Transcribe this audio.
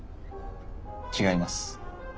違います。